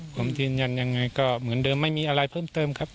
ผมยืนยันยังไงก็เหมือนเดิมไม่มีอะไรเพิ่มเติมครับ